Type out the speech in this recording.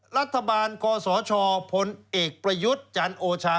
รัฐบาลกศชพลเอกประยุทธ์จันโอชา